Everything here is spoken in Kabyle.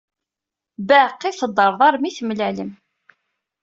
Baqi teddreḍ armi temlalem.